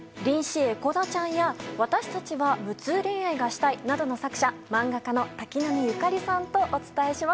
江古田ちゃん」や「わたしたちは無痛恋愛がしたい」などの作者漫画家の瀧波ユカリさんとお伝えします。